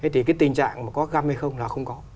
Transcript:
thì tình trạng có găm hay không là không có